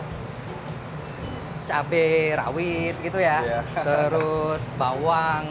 kita akan mencari cabai rawit bawang